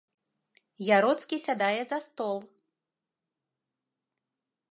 Яроцкі сядае за стол.